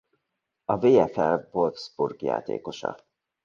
A VfL Wolfsburg játékosa.